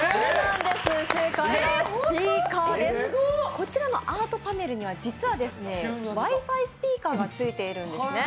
こちらのアートパネルには実はＷｉ−Ｆｉスピーカーがついているんですね。